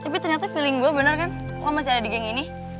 tapi ternyata feeling gue bener kan oh masih ada di geng ini